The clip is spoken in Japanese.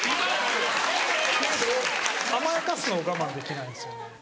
甘やかすのを我慢できないんですよね。